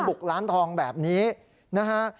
บุกร้านทองแบบนี้นะฮะ